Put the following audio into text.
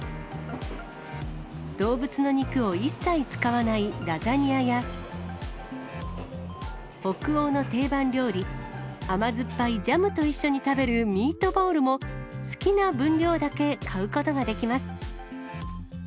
動物の肉を一切使わないラザニアや、北欧の定番料理、甘酸っぱいジャムと一緒に食べるミートボールも、好きな分量だけ買うことができます。